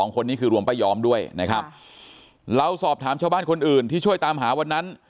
คนนี้คือรวมป้ายอมด้วยนะครับเราสอบถามชาวบ้านคนอื่นที่ช่วยตามหาวันนั้น